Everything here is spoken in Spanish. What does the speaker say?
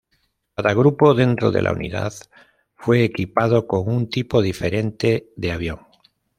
Cada grupo dentro de la unidad fue equipado con un tipo diferente de avión.